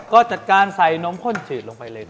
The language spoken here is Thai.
ก็จัดการใส่นมข้นจืดลงไปเลย